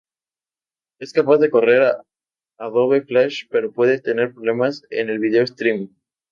Es capaz de correr Adobe Flash, pero puede tener problemas en el vídeo Streaming.